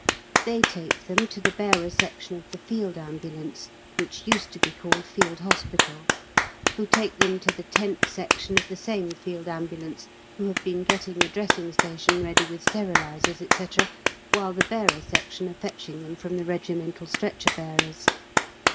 They take them to the Bearer Section of the Field Ambulance (which used to be called Field Hospital), who take them to the Tent Section of the same Field Ambulance, who have been getting the Dressing Station ready with sterilisers, &c., while the Bearer Section are fetching them from the regimental stretcher bearers.